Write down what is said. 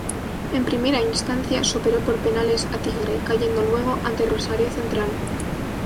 En primera instancia superó por penales a Tigre, cayendo luego ante Rosario Central.